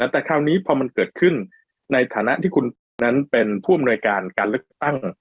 แต่คราวนี้พอมันเกิดขึ้นในฐานะที่คุณเป็ดนั้นเป็นผู้อำนวยการการเลือกตั้ง